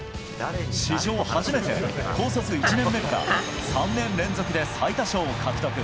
史上初めて高卒１年目から３年連続で最多勝を獲得。